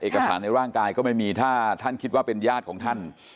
เอกสารในร่างกายก็ไม่มีถ้าท่านคิดว่าเป็นญาติของท่าน